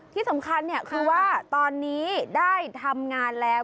ที่สำคัญคือว่าตอนนี้ได้ทำงานแล้ว